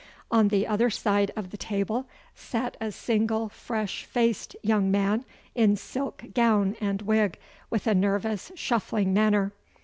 On the other side of the table sat a single fresh faced young man, in silk gown and wig, with a nervous, shuffling manner.